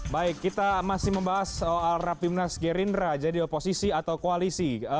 baik kita masih membahas soal rapimnas gerindra jadi oposisi atau koalisi